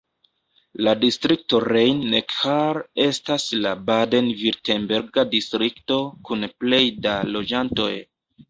La distrikto Rhein-Neckar estas la baden-virtemberga distrikto kun plej da loĝantoj.